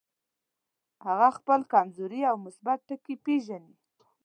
هغه خپل کمزوري او مثبت ټکي پېژني.